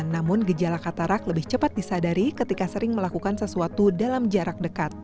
namun gejala katarak lebih cepat disadari ketika sering melakukan sesuatu dalam jarak dekat